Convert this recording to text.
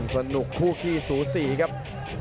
สนุกคู่ขี้สูสีครับ